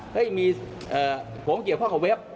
เฮ้ยผมเกี่ยวพร้อมกับเว็บ